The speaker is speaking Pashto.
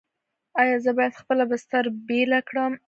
ایا زه باید خپله بستر بیله کړم؟